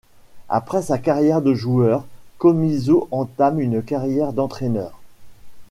Après sa carrière de joueur, Comizzo entame une carrière d'entraîneur.